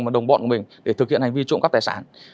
một đồng bọn của mình để thực hiện hành vi trộm cắp tài sản